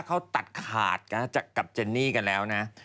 เขาตัดขาดกับเจนนี่กันแล้วนะ